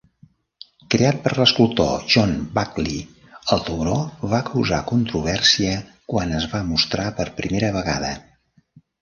Creat per l'escultor John Buckley, el tauró va causar controvèrsia quan es va mostrar per primera vegada.